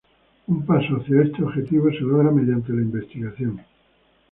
Un paso hacia este objetivo se logra mediante la investigación.